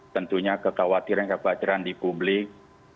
tentunya kekhawatiran kekhawatiran di publik